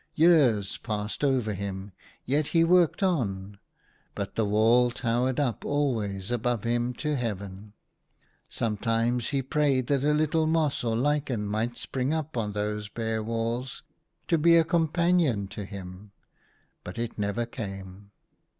Years passed over him, yet he worked on ; but the wall towered up always above him to heaven. Sometimes he prayed that a litde moss or lichen might spring up on those bare walls to be a companion to him ; but it never came.